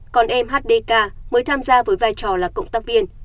còn em hdk mới tham gia với vai trò là cộng tác viên